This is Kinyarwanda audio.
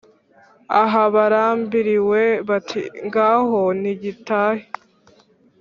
aha barambiriwe, bati "ngaho nigitahe"